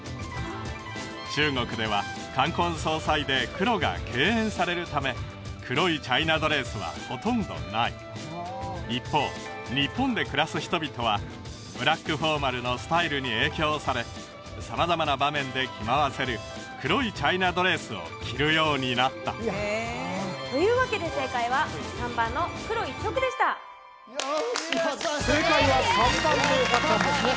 中国では冠婚葬祭で黒が敬遠されるため黒いチャイナドレスはほとんどない一方日本で暮らす人々はブラックフォーマルのスタイルに影響され様々な場面で着回せる黒いチャイナドレスを着るようになったというわけで正解は３番の「黒一色」でした正解は３番でよかったんですね